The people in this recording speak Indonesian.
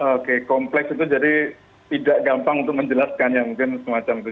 oke kompleks itu jadi tidak gampang untuk menjelaskan ya mungkin semacam itu